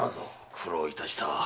苦労いたした。